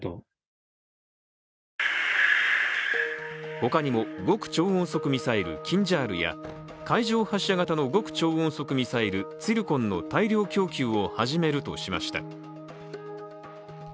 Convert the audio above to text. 他にも極超音速ミサイル、キンジャールや海上発射型の極超音速ミサイル・ツィルコンの大量供給を始めるとしました。